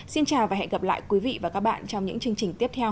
xin chào và hẹn gặp lại quý vị và các bạn trong những chương trình tiếp theo